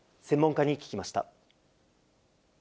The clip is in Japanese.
専門家に聞きました。